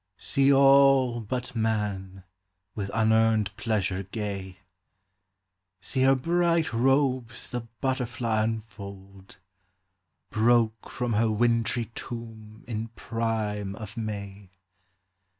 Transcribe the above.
See all, but man, with unearned pleasure gay : See her bright robes the butterfly unfold, Broke from her wintry tomb in prime of May